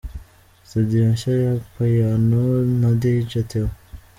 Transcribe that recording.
Studio nshya ya Piano na Dj Theo.